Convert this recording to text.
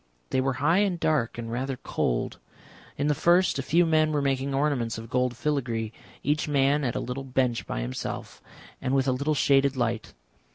They were high and dark, and rather cold. In the first a few men were making ornaments of gold filigree, each man at a little bench by himself, and with a little shaded light.